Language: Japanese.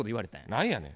何やねん。